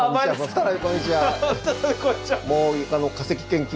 再びこんにちは。